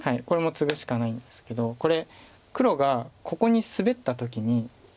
これもツグしかないんですけどこれ黒がここにスベった時に。